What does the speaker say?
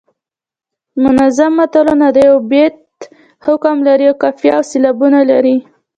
منظوم متلونه د یوه بیت حکم لري او قافیه او سیلابونه لري